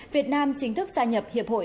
việt nam chính thức gia nhập hiệp hội